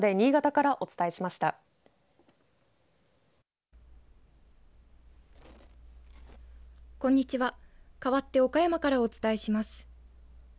かわって岡山からお伝えします。